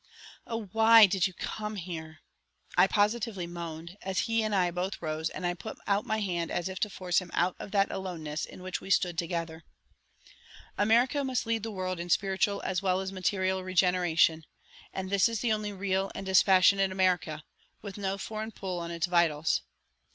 "Oh, why did you come here?" I positively moaned, as he and I both rose and I put out my hand as if to force him out of that aloneness in which we stood together. "America must lead the world in spiritual as well as material regeneration, and this is the only real and dispassionate America, with no foreign pull on its vitals.